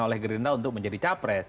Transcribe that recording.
oleh gerindra untuk menjadi capres